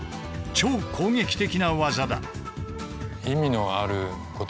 超攻撃的な技だ。